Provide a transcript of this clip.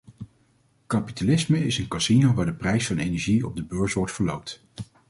Kapitalisme is een casino waar de prijs van energie op de beurs wordt verloot.